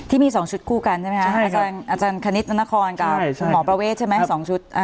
ที่มี๒ชุดคู่กันใช่ไหมคะอาจารย์คณิตนครกับหมอประเวทใช่ไหม๒ชุด